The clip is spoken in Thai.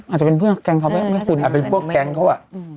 อาจจะเป็นเพื่อนแกงเขาอาจจะเป็นเพื่อนแกงเขา